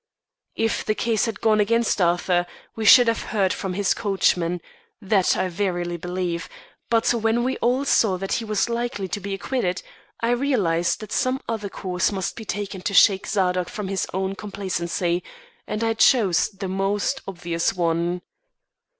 "If the case had gone against Arthur, we should have heard from his coachman that I verily believe, but when we all saw that he was likely to be acquitted, I realised that some other course must be taken to shake Zadok from his new won complacency, and I chose the most obvious one.